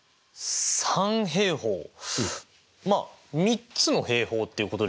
三平方まあ３つの平方っていうことですよね。